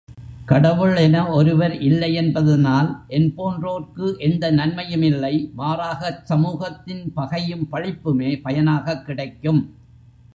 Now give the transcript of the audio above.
கடவுள் என ஒருவர் இல்லையென்பதனால் என்போன்றோர்க்கு எந்த நன்மையும் இல்லை மாறாகச் சமூகத்தின் பகையும் பழிப்புமே பயனாகக் கிடைக்கும்.